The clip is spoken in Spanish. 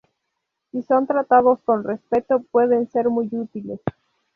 Si son tratados con respeto, pueden ser muy útiles.